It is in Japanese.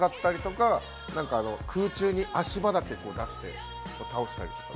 空中に足場だけ動かして倒したりとか。